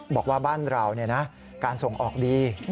บอกว่าบ้านเราเนี่ยนะการส่งออกดี